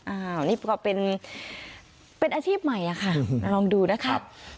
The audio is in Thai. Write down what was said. อันนี้ก็เป็นอาชีพใหม่อะค่ะลองดูนะครับ